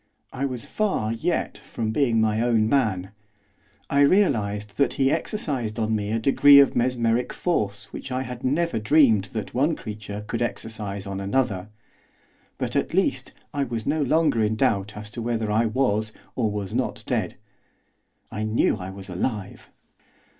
I was far, yet, from being my own man; I realised that he exercised on me a degree of mesmeric force which I had never dreamed that one creature could exercise on another; but, at least, I was no longer in doubt as to whether I was or was not dead. I knew I was alive.